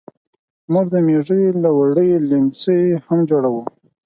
موږ د مېږو له وړیو لیمڅي هم جوړوو.